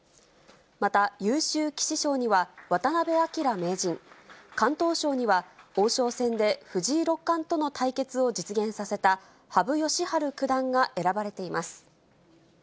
また、優秀棋士賞には、渡辺明名人、敢闘賞には王将戦で藤井六冠との対決を実現させた羽生善治九段が選ばれています。